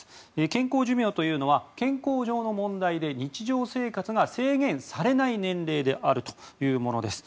健康寿命というのは健康上の問題で日常生活が制限されない年齢であるというものです。